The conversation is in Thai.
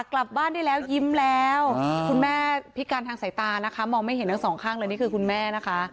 กลับบ้านได้แล้วยิ้มแล้วคุณแม่พิการทางสายตานะคะมองไม่เห็นทั้งสองข้างเลยนี่คือคุณแม่นะคะ